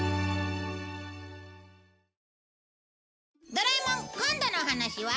『ドラえもん』今度のお話は